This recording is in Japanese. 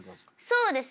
そうですね。